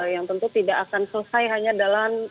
yang tentu tidak akan selesai hanya dalam